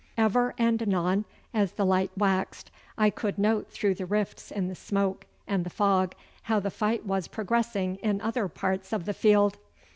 Ever and anon as the light waxed I could note through the rifts in the smoke and the fog how the fight was progressing in other parts of the field.